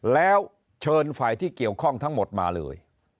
แล้วเชิญฝ่ายที่เกี่ยวข้องทั้งหมดมาเลย